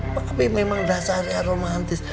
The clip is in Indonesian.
tapi memang dasarnya romantis